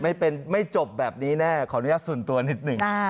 ไม่เป็นไม่จบแบบนี้แน่ขออนุญาตส่วนตัวนิดหนึ่ง